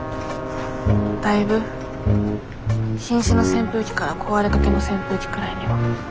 だいぶひん死の扇風機から壊れかけの扇風機くらいには。